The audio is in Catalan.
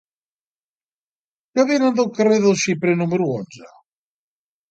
Què venen al carrer del Xiprer número onze?